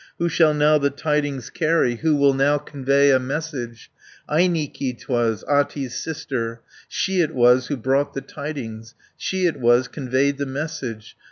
Who shall now the tidings carry, Who will now convey a message? Ainikki 'twas, Ahti's sister, She it was who brought the tidings, She it was conveyed the message.